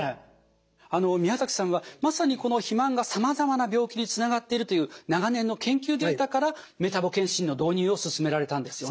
あの宮崎さんはまさにこの肥満がさまざまな病気につながっているという長年の研究データからメタボ健診の導入を進められたんですよね。